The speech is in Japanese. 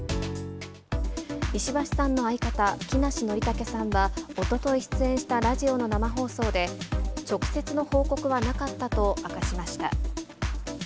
石橋さんの相方、木梨憲武さんは、おととい出演したラジオの生放送で、直接の報告はなかったと明かしました。